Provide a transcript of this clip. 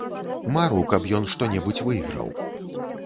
Мару, каб ён што-небудзь выйграў.